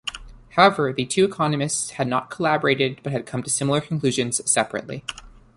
However, the two economists had not collaborated but had come to similar conclusions separately.